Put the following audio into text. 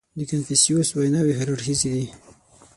• د کنفوسیوس ویناوې هر اړخیزې دي.